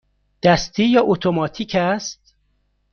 دستی یا اتوماتیک است؟